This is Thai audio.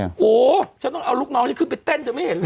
โอ้โหฉันต้องเอาลูกน้องฉันขึ้นไปเต้นเธอไม่เห็นเลย